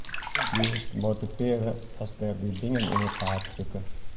Hoe bliuwst motivearre as der dy dingen yn it paad sitte?